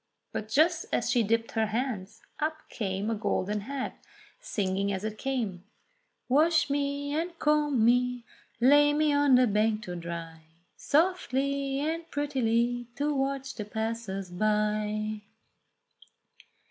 But just as she dipped her hands, up came a golden head singing as it came : "Wash me, and comb me, lay me on the bank to dry Softly and prettily to watch the passers by."